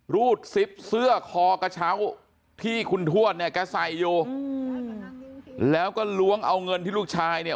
รูดซิปเสื้อคอกระเช้าที่คุณทวดเนี่ยแกใส่อยู่แล้วก็ล้วงเอาเงินที่ลูกชายเนี่ย